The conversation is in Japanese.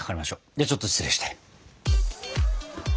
ではちょっと失礼して。